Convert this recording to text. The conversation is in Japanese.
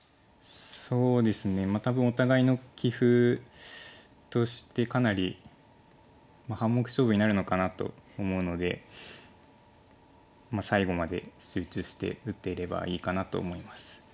そうですね多分お互いの棋風としてかなり半目勝負になるのかなと思うので最後まで集中して打てればいいかなと思います。